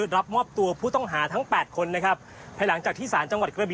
รับมอบตัวผู้ต้องหาทั้ง๘คนนะครับ